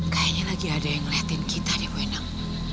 kayaknya lagi ada yang ngeliatin kita deh bu enang